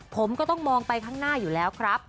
ผมก็ต้องมองไปข้างหน้าอยู่แล้วครับ